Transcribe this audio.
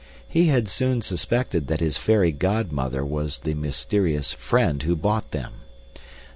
He had soon suspected that his fairy godmother was the mysterious "friend" who bought them.